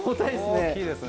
大きいですね。